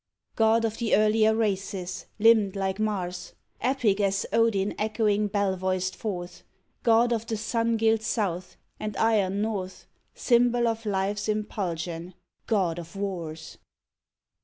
God of the earlier races, limbed like Mars, Epic as Odin echoing bell voiced forth, God of the sun gilt South and iron North, Symbol of life's impulsion God of Wars